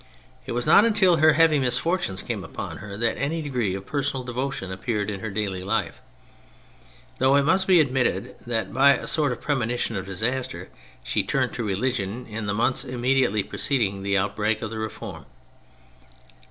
It was not until her heavy misfortunes came upon her that any degree of personal devotion appeared in her daily life, though it must be admitted that, by a sort of premonition of disaster, she turned to religion in the months imme diately preceding the outbreak of the reform.